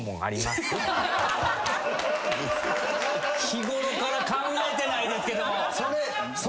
日ごろから考えてないですけど。